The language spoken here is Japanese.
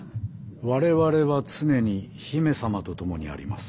我々は常に姫様と共にあります。